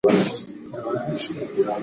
د عامه ګټو ساتلو لپاره سره يو ځای سئ.